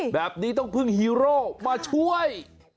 แบบนี้ต้องพึ่งฮีโร่มาช่วย